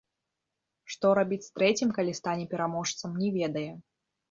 Што рабіць з трэцім, калі стане пераможцам, не ведае.